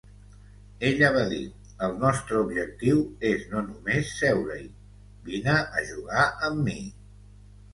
Ella va dir: "El nostre objectiu és no només seure-hi; vine a jugar amb mi".